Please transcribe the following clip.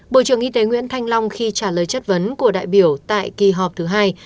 bộ trưởng y tế nguyễn thanh long khi trả lời chất vấn của đại biểu tại kỳ họp thứ hai